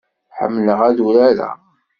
Ḥemmleɣ ad urareɣ.